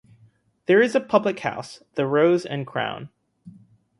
There is a public house - the Rose and Crown.